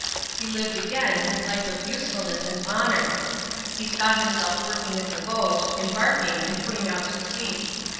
He lived again his life of usefulness and honour. He saw himself working at the boat, embarking, and putting out to sea.